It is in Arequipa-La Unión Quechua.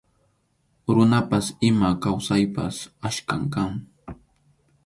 Runapas ima kawsaypas achkam kan.